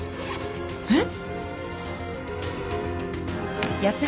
えっ？